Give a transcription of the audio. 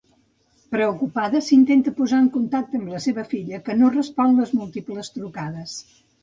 Preocupada, s'intenta posar en contacte amb la seva filla, que no respon les múltiples trucades.